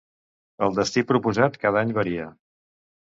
El destí proposat cada any varia.